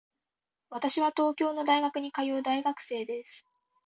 私は東京の大学に通う大学生です。